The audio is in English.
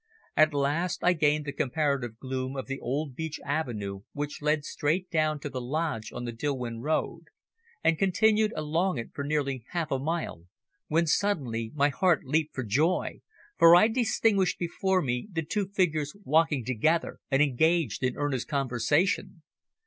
At last I gained the comparative gloom of the old beech avenue which led straight down to the lodge on the Dilwyn road, and continued along it for nearly half a mile, when suddenly my heart leaped for joy, for I distinguished before me the two figures walking together and engaged in earnest conversation.